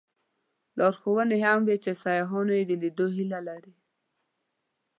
لارښوونې هم وې چې سیاحان یې د لیدلو هیله لري.